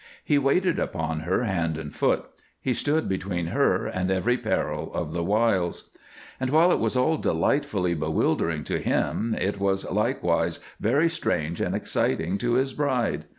He waited upon her hand and foot; he stood between her and every peril of the wilds. And while it was all delightfully bewildering to him, it was likewise very strange and exciting to his bride.